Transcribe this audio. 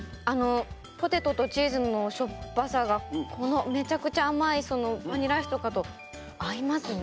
ポテトとチーズのしょっぱさがめちゃくちゃ甘いバニラアイスとかと合いますね。